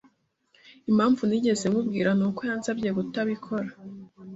Impamvu ntigeze nkubwira nuko yansabye kutabikora.